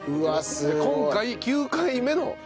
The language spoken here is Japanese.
今回９回目の投稿。